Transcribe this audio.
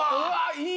いい！